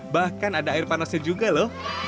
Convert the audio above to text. bahkan ada air panasnya juga loh